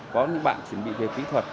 có những bạn chuẩn bị về kỹ thuật